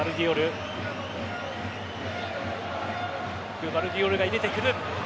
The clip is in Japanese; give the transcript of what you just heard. グヴァルディオルが入れてくる。